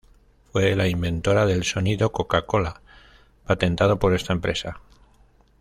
Fue la inventora del sonido Coca-Cola, patentado por esta empresa.